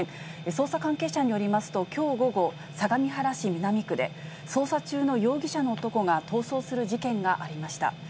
捜査関係者によりますと、きょう午後、相模原市南区で、捜査中の容疑者の男が逃走する事件がありました。